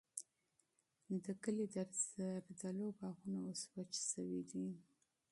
د کلي د زردالیو باغونه اوس وچ شوي دي.